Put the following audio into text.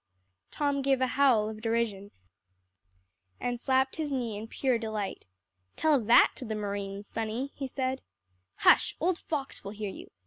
Tom gave a howl of derision, and slapped his knee in pure delight. "Tell that to the marines, sonny," he said. "Hush old Fox will hear you.